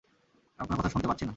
আপনার কথা শোনতে পাচ্ছি না।